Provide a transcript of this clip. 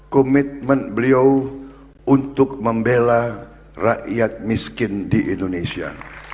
komitmen beliau untuk membela rakyat miskin di indonesia